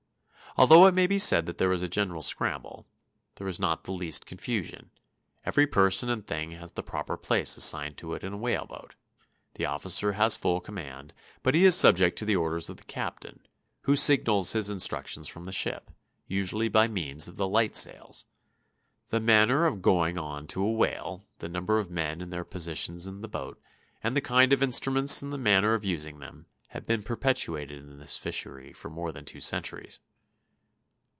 Although it may be said that there is a general scramble, there is not the least confusion. Every person and thing has the proper place assigned to it in a whaleboat; the officer has full command, but he is subject to the orders of the captain, who signals his instructions from the ship, usually by means of the light sails. The manner of going on to a whale, the number of men and their positions in the boat, and the kind of instruments and the manner of using them, have been perpetuated in this fishery for more than two centuries.